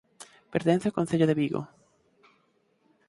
Pertence ao concello de Vigo.